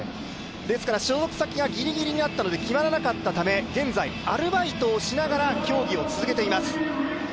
所属先がぎりぎりになったため決まらなかったため現在、アルバイトをしながら競技を続けています。